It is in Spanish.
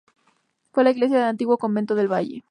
Fue la iglesia del antiguo convento del Valle.